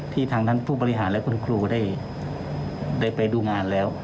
ทางท่านผู้บริหารและคุณครูได้ไปดูงานแล้ว